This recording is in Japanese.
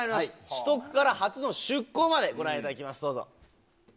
取得から初の出航までご覧いただきます、どうぞ。